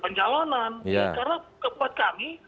penjahonan karena buat kami